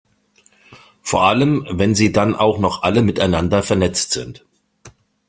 Vor allem, wenn sie dann auch noch alle miteinander vernetzt sind.